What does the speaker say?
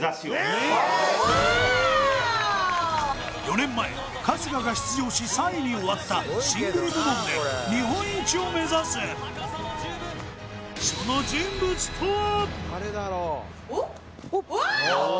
４年前春日が出場し３位に終わったシングル部門で日本一を目指すおっわあ！